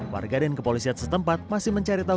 warga dan kepolisian setempat masih mencari tahu